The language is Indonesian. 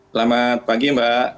selamat pagi mbak